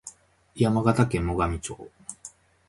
山形県最上町